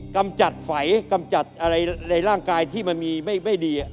กำจัดไฝกำจัดอะไรในร่างกายที่มันมีไม่ดี